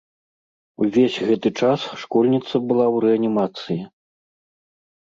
Увесь гэты час школьніца была ў рэанімацыі.